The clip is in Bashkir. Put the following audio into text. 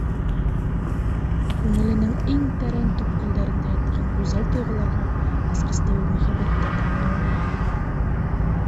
Күңеленең иң тәрән төпкөлдәрендә ятҡан гүзәл тойғоларға асҡысты ул мөхәббәттә тапҡан.